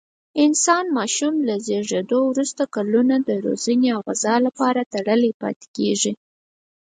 انسان ماشوم له زېږېدو وروسته کلونه د روزنې او غذا لپاره تړلی پاتې کېږي.